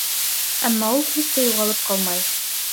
Әммә ул һис тә юғалып ҡалмай.